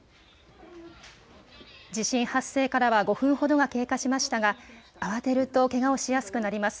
地震発生からは５分ほどが経過しましたが慌てるとけがをしやすくなります。